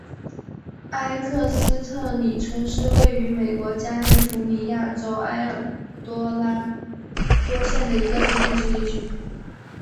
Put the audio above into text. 埃克斯特里村是位于美国加利福尼亚州埃尔多拉多县的一个非建制地区。